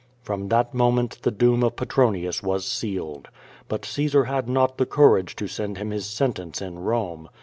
From that moment the doom of Petronius was sealed. But Caesar had not the courage to send him his sentence in Rome.